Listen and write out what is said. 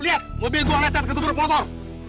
lihat mobil gua lecat ke tubuh motor